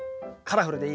カラフルで。